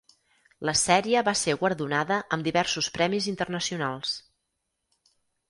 La sèrie va ser guardonada amb diversos premis internacionals.